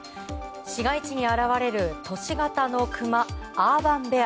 市街地に現れる都市型のクマ、アーバンベア。